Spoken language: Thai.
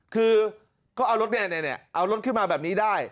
คือเขาเอารถเนี่ยเอารถขึ้นมาแบบนี้ได้